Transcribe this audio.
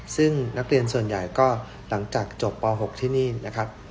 ซึ่งนักเรียนส่วนใหญ่ก็หลังจากจบป๖ที่นี่นะครับ